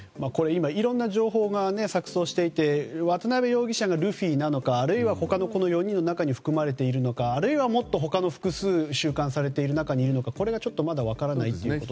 いろんな情報が錯綜していて渡邉容疑者がルフィなのかあるいは他の４人の中に含まれているのかあるいはもっと他の複数収監されている中にいるのかこれがまだ分からないということです。